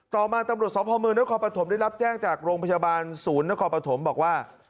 ต่อมาตำรวจสพเมืองนครปฐมได้รับแจ้งจากโรงพยาบาลศูนย์นครปฐมบอกว่า